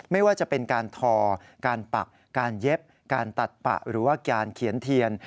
ไม่ว่าจะเป็นการทอการปักการเย็บการตัดปะหรือว่าการเขียนเทียน